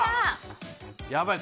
やばい。